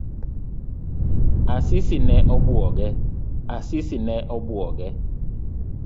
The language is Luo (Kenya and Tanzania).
Asisi ne obuoge.